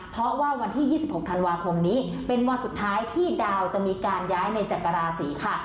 เพราะว่าวันที่๒๖ธันวาคมนี้เป็นวันสุดท้ายที่ดาวจะมีการย้ายในจักราศีค่ะ